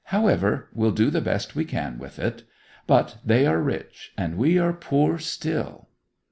However, we'll do the best we can with it. But they are rich, and we are poor still!